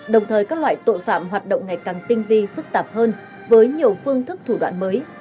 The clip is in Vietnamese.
đồng thời các loại tội phạm hoạt động ngày càng tinh vi phức tạp hơn với nhiều phương thức thủ đoạn mới